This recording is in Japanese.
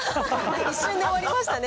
一瞬で終わりましたね。